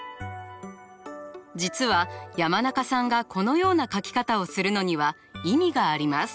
実は山中さんがこのような描き方をするのには意味があります。